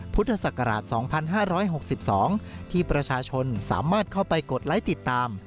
พุทธศักราช๒๕๖๒ที่ประชาชนสามารถเข้าไปกดไลค์ติดตาม